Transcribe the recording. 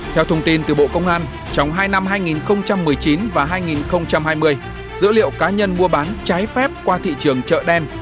theo thông tin từ bộ công an trong hai năm hai nghìn một mươi chín và hai nghìn hai mươi dữ liệu cá nhân mua bán trái phép qua thị trường chợ đen